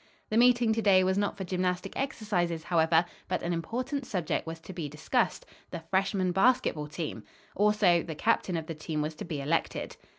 The meeting to day was not for gymnastic exercises, however, but an important subject was to be discussed the Freshman Basketball Team. Also the captain of the team was to be elected.